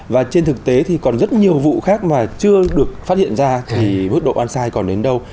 và trên thực tế thì còn rất nhiều vụ khác mà chưa được phát hiện ra thì mức độ oan sai còn đến đâu